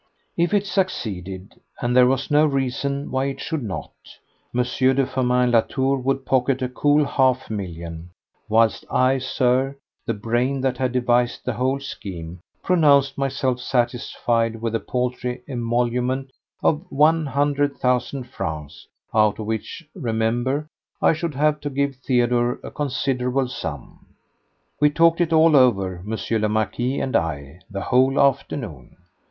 If it succeeded—and there was no reason why it should not—M. de Firmin Latour would pocket a cool half million, whilst I, sir, the brain that had devised the whole scheme, pronounced myself satisfied with the paltry emolument of one hundred thousand francs, out of which, remember, I should have to give Theodore a considerable sum. We talked it all over, M. le Marquis and I, the whole afternoon.